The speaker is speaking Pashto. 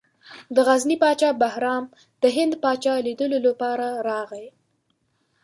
د غزني پاچا بهرام د هند پاچا لیدلو لپاره راغی.